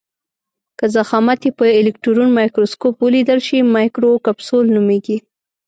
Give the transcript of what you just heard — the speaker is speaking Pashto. که ضخامت یې په الکټرون مایکروسکوپ ولیدل شي مایکروکپسول نومیږي.